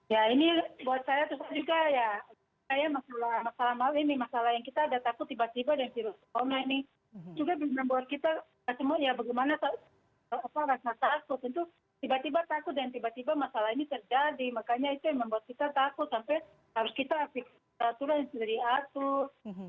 ya ini buat saya juga ya masalah malu ini masalah yang kita ada takut tiba tiba dengan virus